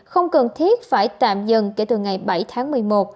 không cần thiết phải tạm dừng kể từ ngày bảy tháng một mươi một